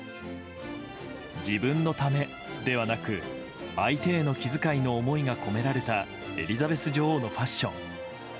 自分のためではなく相手への気遣いの思いが込められたエリザベス女王のファッション。